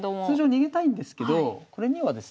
通常逃げたいんですけどはい。